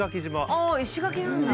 ああ石垣なんだ。